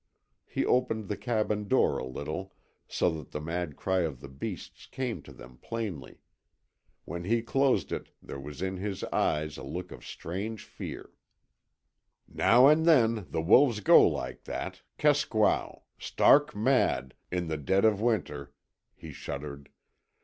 He opened the cabin door a little, so that the mad cry of the beasts came to them plainly. When he closed it there was in his eyes a look of strange fear. "Now and then wolves go like that KESKWAO (stark mad) in the dead of winter," he shuddered.